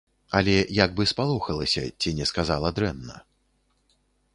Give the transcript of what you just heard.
Але як бы спалохалася, ці не сказала дрэнна.